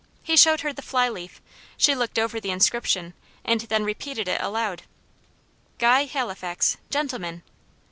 He showed her the fly leaf; she looked over the inscription, and then repeated it aloud. "'Guy Halifax, gentleman.'